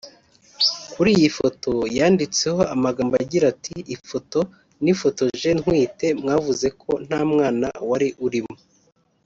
Kuri iyi foto yanditseho amagambo agira ati “Ifoto nifotoje ntwite mwavuze ko nta mwana wari urimo